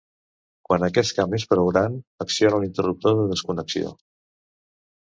Quan aquest camp és prou gran, acciona l'interruptor de desconnexió.